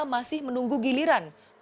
masih menunggu giliran